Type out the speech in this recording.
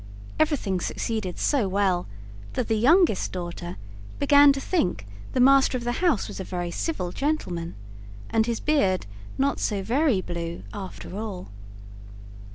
Everything succeeded so well that the youngest daughter began to think the master of the house was a very civil gentleman. And his beard not so very blue after all.